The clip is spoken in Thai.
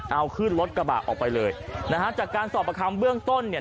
เอาขึ้นรถกระบะออกไปเลยนะฮะจากการสอบประคำเบื้องต้นเนี่ย